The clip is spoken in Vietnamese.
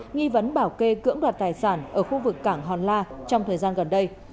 nghi vấn bảo kê cưỡng đoạt tài sản ở khu vực cảng hòn la trong thời gian gần đây